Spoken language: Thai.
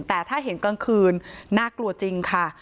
แต่ถ้าเห็นกลางคืนน่ากลัวจริงค่ะ